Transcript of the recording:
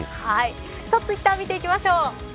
ツイッターを見ていきましょう。